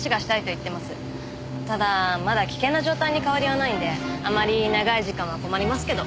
ただまだ危険な状態に変わりはないんであまり長い時間は困りますけど。